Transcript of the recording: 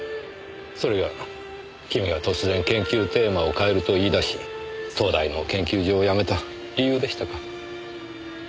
それが君が突然研究テーマを変えると言い出し東大の研究所を辞めた理由でしたか。